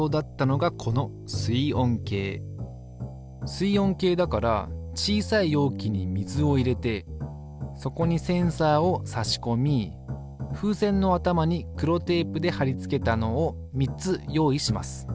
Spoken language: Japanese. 水温計だから小さい容器に水を入れてそこにセンサーをさしこみ風船の頭に黒テープではりつけたのを３つ用意します。